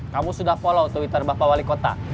kamu sudah follow twitter bapak wali kota